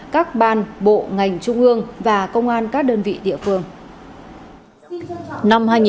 các ban bộ ngành trung ương và công an các đơn vị địa phương